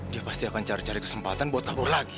dia pasti akan cari cari kesempatan buat kabur lagi